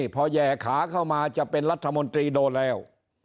พอแห่ขาเข้ามาจะเป็นรัฐมนตรีโดนแล้ว